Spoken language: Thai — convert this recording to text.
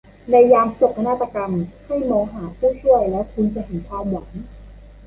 ในยามโศกนาฏกรรมให้มองหาผู้ช่วยแล้วคุณจะเห็นความหวัง